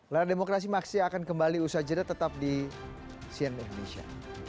lalu demokrasi maksimal akan kembali usaha jadat tetap di cnm indonesia